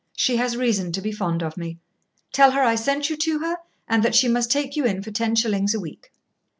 She has reason to be fond of me. Tell her I sent you to her, and that she must take you in for ten shillings a week.